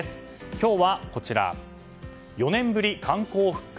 今日は４年ぶり観光復活？